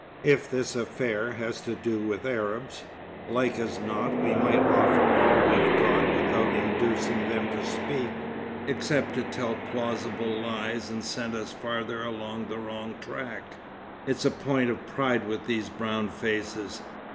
If this affair has to do with Arabs, like as not we might offer all we've got without inducing them to speak except to tell plausible lies and send us farther along the wrong track. It's a point of pride with these brown faces.